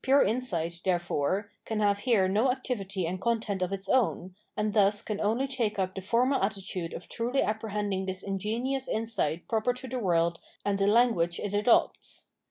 546 547 EnligJdenment insight, therefore, can have here no activity and content of its own, and thus can only take up the formal attitude of truly apprehending this ingenious insight proper to the world and the language it adopts.